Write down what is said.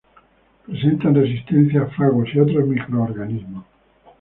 Presentan resistencia a fagos y otros microorganismos.